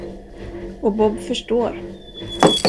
Och Bob förstår.